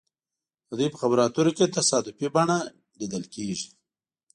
د دوی په خبرو اترو کې تصادفي بڼه لیدل کیږي